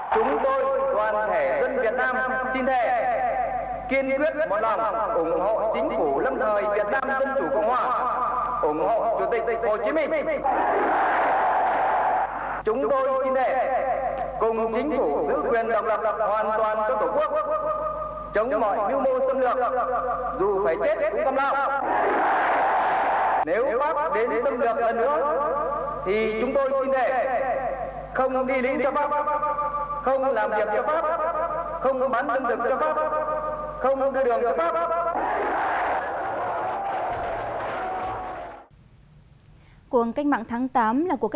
chúng tôi toàn thể dân việt nam